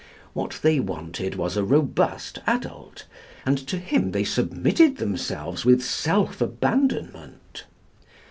What they wanted was a robust adult; and to him they submitted themselves with self abandonment.